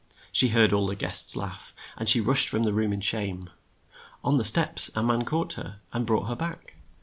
She heard all the guests laugh, and rushed from the room in shame. On the steps a man caught her, and brought her back.